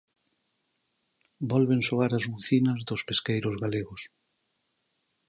Volven soar as bucinas dos pesqueiros galegos.